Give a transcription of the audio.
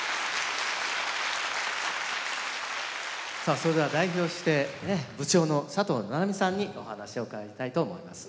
それでは代表してね部長の佐藤七海さんにお話を伺いたいと思います。